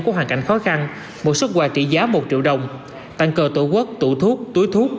có hoàn cảnh khó khăn một xuất quà trị giá một triệu đồng tặng cờ tổ quốc tủ thuốc túi thuốc